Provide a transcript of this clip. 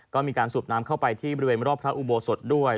ก็มีการสูบน้ำเข้าไปที่บริเวณรอบพระอุโบสถด้วย